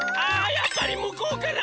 やっぱりむこうかな！